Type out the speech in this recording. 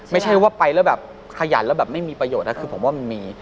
ไม่ใช่ว่าไปแล้วแบบขยันแล้วแบบไม่มีประโยชน์นะคือผมว่ามันมี